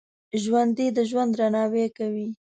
ژوندي د ژوند درناوی کوي